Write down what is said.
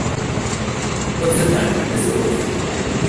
What's the time, Mr Wolf?